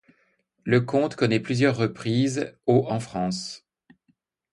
Le conte connaît plusieurs reprises aux en France.